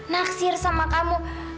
naksir sama kamu